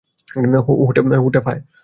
Hotep, হায়!